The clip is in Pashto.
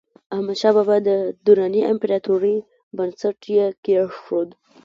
احمدشاه بابا د دراني امپراتورۍ بنسټ یې کېښود.